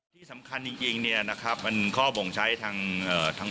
ที่สำคัญจริงเนี่ยนะครับมันข้อบ่งใช้ทาง